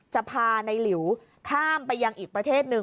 จะพาในหลิวข้ามไปยังอีกประเทศหนึ่ง